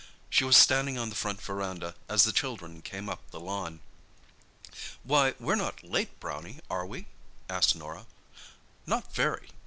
She was standing on the front verandah as the children came up the lawn. "Why, we're not late, Brownie, are we?" asked Norah. "Not very."